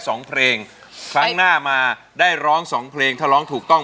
สองเพลงครั้งหน้ามาได้ร้องสองเพลงถ้าร้องถูกต้อง